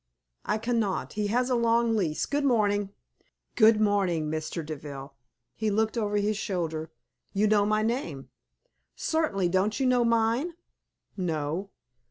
"I cannot. He has a long lease. Good morning." "Good morning, Mr. Deville." He looked over his shoulder. "You know my name!" "Certainly. Don't you know mine?" "No."